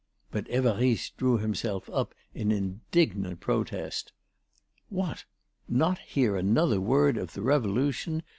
But Évariste drew himself up in indignant protest: "What! not hear another word of the Revolution!...